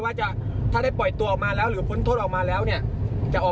ว่าจะถ้าได้ปล่อยตัวออกมาแล้วหรือพ้นโทษออกมาแล้วเนี่ยจะออก